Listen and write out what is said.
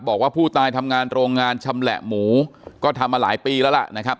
บอกว่าผู้ตายทำงานโรงงานชำแหละหมูก็ทำมาหลายปีแล้วล่ะนะครับ